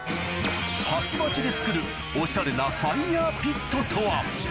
蓮鉢で作るおしゃれなファイヤーピットとは？